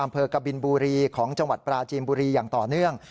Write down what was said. กบินบุรีของจังหวัดปราจีนบุรีอย่างต่อเนื่อง